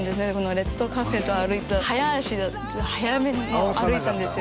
レッドカーペットを歩いた早足で速めに歩いたんですよ